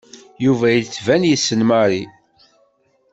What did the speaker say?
Yuba yettban yessen Mary.